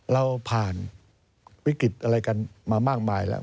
เราผ่านวิกฤตอะไรกันมามากมายแล้ว